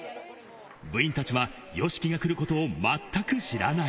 部員たちはＹＯＳＨＩＫＩが来ることをまったく知らない。